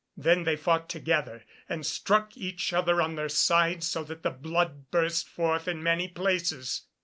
Then they fought together, and struck each other on their sides so that the blood burst forth in many places.